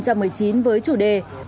cách tiếp cận của phật giáo